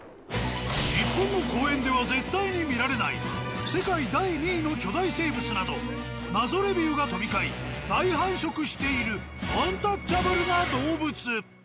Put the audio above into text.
「日本の公園では絶対に見られない」「世界第２位の巨大生物」など謎レビューが飛び交い大繁殖しているアンタッチャブルな動物。